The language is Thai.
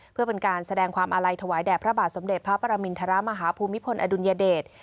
เพื่อเป็นการแสดงความอาลัยถวายแด่พระบาทสมเด็จพระปรมินทรมาฮภูมิพลอดุลยเดช